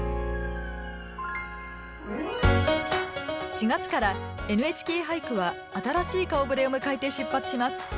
４月から「ＮＨＫ俳句」は新しい顔ぶれを迎えて出発します。